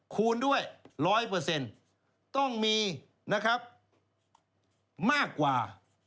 คูณด้วย๑๐๐ต้องมีมากกว่า๔๐